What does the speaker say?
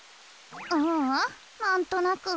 ううんなんとなく。